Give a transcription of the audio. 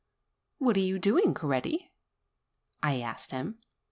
"What are you doing, Coretti?" I asked him.